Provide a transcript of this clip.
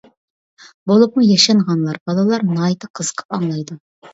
بولۇپمۇ ياشانغانلار، بالىلار ناھايىتى قىزىقىپ ئاڭلايدۇ.